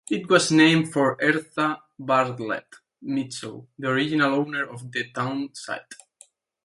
It was named for Ezra Bartlett Mitchell, the original owner of the town site.